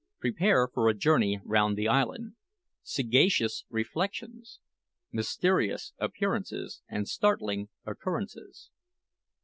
PREPARE FOR A JOURNEY ROUND THE ISLAND SAGACIOUS REFLECTIONS MYSTERIOUS APPEARANCES AND STARTLING OCCURRENCES.